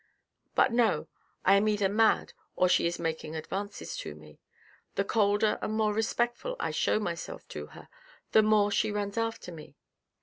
" But no, I am either mad or she is making advances to me ; the colder and more respectful I show myself to her, the more she runs after me.